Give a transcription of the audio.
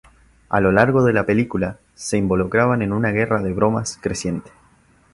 A lo largo de la película, se involucran en una guerra de bromas creciente.